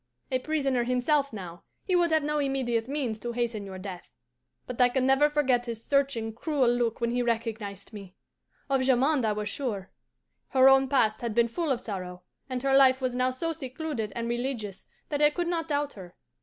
A prisoner himself now, he would have no immediate means to hasten your death. But I can never forget his searching, cruel look when he recognized me! Of Jamond I was sure. Her own past had been full of sorrow, and her life was now so secluded and religious that I could not doubt her.